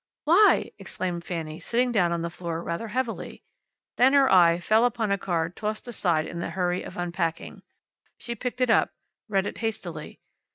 "Why!" exclaimed Fanny, sitting down on the floor rather heavily. Then her eye fell upon a card tossed aside in the hurry of unpacking. She picked it up, read it hastily.